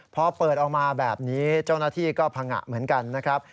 พอเปิดออกมาแบบนี้เจ้าหน้าที่ก็พังงะเหมือนกันนะครับ